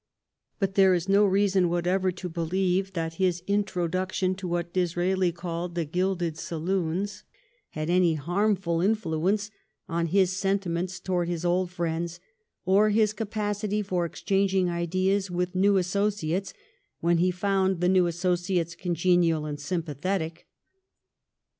But there is no reason whatever to beUeve that his introduction to what Disraeli called the gilded saloons had any harmful influence on his sentiments towards his old friends, or his capacity for exchanging ideas with new associates when he found the new associates congenial and sympathetic.